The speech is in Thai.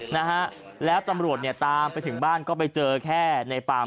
นะฮะแล้วตำรวจเนี่ยตามไปถึงบ้านก็ไปเจอแค่ในปาม